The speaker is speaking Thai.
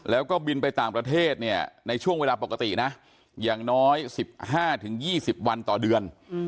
แล้วก็บินไปต่างประเทศเนี่ยในช่วงเวลาปกตินะอย่างน้อย๑๕๒๐วันต่อเดือน